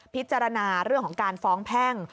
พิจารณาเรื่องของการฟ้องแพ่ง